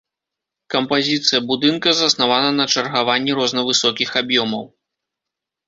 Кампазіцыя будынка заснавана на чаргаванні рознавысокіх аб'ёмаў.